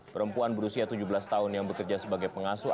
perempuan berusia tujuh belas tahun yang bekerja sebagai pengasuh